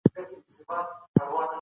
موږ ټول د داسې ژوند په لټه کې یو.